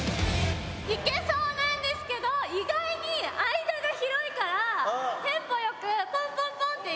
いけそうなんですけど意外に間が広いからテンポ良くポンポンポンっていこうと思ってます。